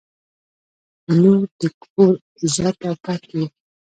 • لور د کور عزت او پت وي.